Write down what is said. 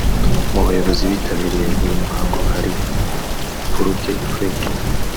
Mu bayobozi bitabiriye uyu muhango hari Mufuruke Fred